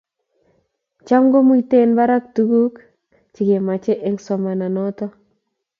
Cham komiten barak tuguk chegemache eng somana noto